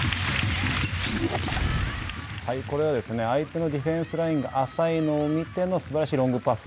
これは相手のディフェンスラインが浅いのを見てのすばらしいロングパス。